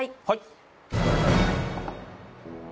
はい。